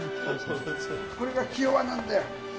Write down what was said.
これが気弱なんだよ。